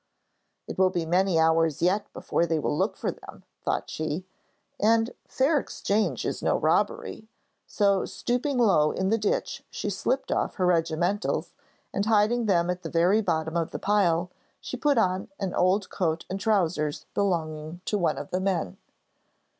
'It will be many hours yet before they will look for them,' thought she, 'and fair exchange is no robbery,' so stooping low in the ditch she slipped off her regimentals, and hiding them at the very bottom of the pile, put on an old coat and trousers belonging to one of the men.